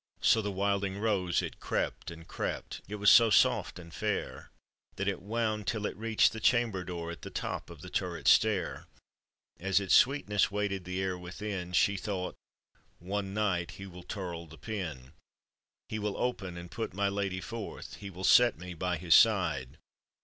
So the wilding rose it crept and crept, It was so soft and fair, That it wound till it reached the chamber door At the top of the turret stair ; As its sweetness weighted the air within, She thought, "One night he will tirl the pin. " He will open and put my lady' forth, And will set me by his side."